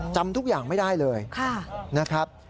จำทุกอย่างไม่ได้เลยนะครับ